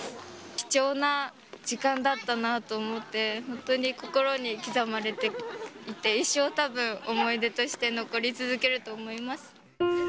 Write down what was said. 貴重な時間だったなと思って、本当に心に刻まれていて、一生たぶん、思い出として残り続けると思います。